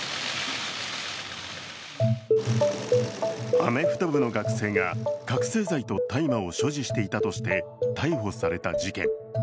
アメフト部の学生が覚醒剤と大麻を所持していたとして逮捕された事件。